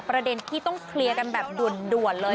ประเด็นที่ต้องเคลียร์กันแบบด่วนเลย